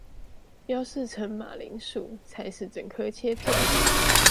標示成馬鈴薯才是整顆切片